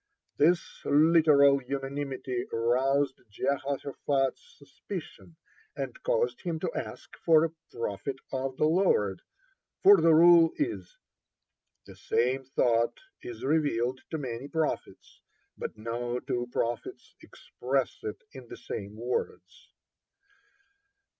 This literal unanimity aroused Jehoshaphat's suspicion, and caused him to ask for "a prophet of the Lord," for the rule is: "The same thought is revealed to many prophets, but no two prophets express it in the same words."